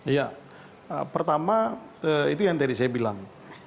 ya pertama itu yang tadi saya bilang